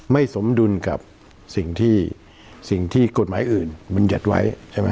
ไม่สมดุลกับสิ่งที่กฎหมายอื่นมันหยัดไว้ใช่ไหมคะ